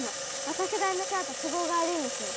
私がやめちゃうと都合が悪いんでしょ。